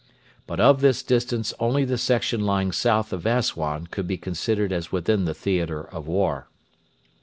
But of this distance only the section lying south of Assuan could be considered as within the theatre of war.